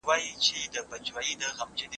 زه اجازه لرم چي پلان جوړ کړم؟!